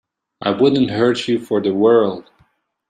I wouldn't hurt you for the world.